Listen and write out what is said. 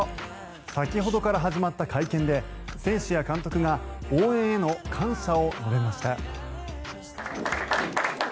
先ほどから始まった会見で選手や監督が応援への感謝を述べました。